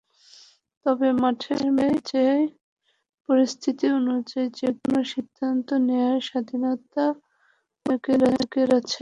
তবে মাঠে ম্যাচের পরিস্থিতি অনুযায়ী যেকোনো সিদ্ধান্ত নেওয়ার স্বাধীনতা অধিনায়কের আছে।